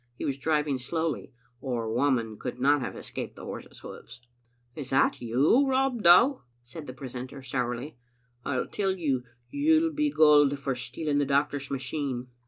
He was driving slowly, or Whamond could not have escaped the horse's hoofs. " Is that you, Rob Dow?" said the precentor sourly. " I tell you, you'll be gaoled for stealing the doctor's machine."